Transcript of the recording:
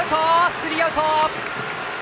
スリーアウト！